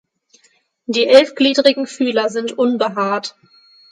Die elfgliedrigen Fühler sind unbehaart.